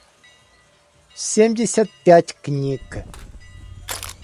семьдесят пять книг